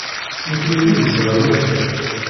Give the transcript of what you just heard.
Nekkni d imezrawen kan.